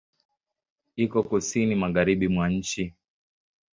Iko Kusini magharibi mwa nchi.